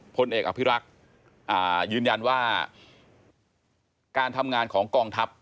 พลเอกอภิรักษ์ยืนยันว่าการทำงานของกองทัพ